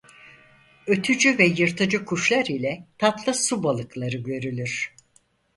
Ötücü ve yırtıcı kuşlar ile tatlı su balıkları görülür.